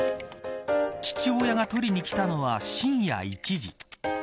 父親が取りに来たのは深夜１時。